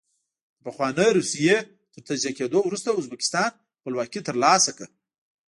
د پخوانۍ روسیې تر تجزیه کېدو وروسته ازبکستان خپلواکي ترلاسه کړه.